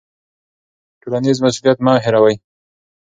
ټولنیز مسوولیت مه هیروئ.